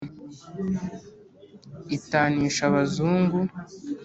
Itanisha Abazungu